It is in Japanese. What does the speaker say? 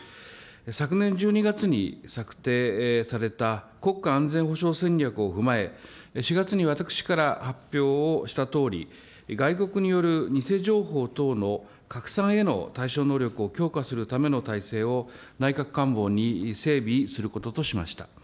昨年１２月に策定された国家安全保障戦略を踏まえ、４月に私から発表をしたとおり、外国による偽情報等の拡散への対処能力を強化するための体制を内閣官房に整備することとしました。